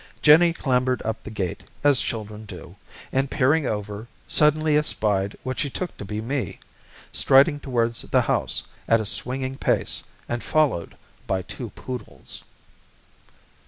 Jennie clambered up the gate as children do, and peering over, suddenly espied what she took to be me, striding towards the house, at a swinging pace, and followed by two poodles.